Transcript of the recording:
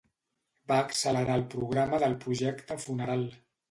Va accelerar el programa del Projecte Funeral.